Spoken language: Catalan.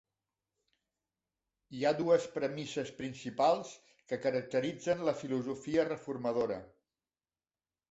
Hi ha dues premisses principals que caracteritzen la filosofia reformadora.